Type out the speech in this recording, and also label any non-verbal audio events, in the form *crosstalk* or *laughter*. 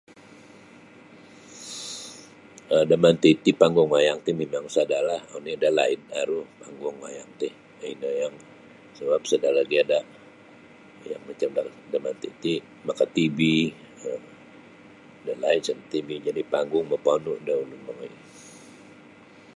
um Da manti ti panggung wayang ti mimang sada la oni dalaid aru panggung wayang ti *unintelligible* isa lagi ada macam da manti ti maka TV dalaid sada TV jadi panggung maponu da ulun mongoi.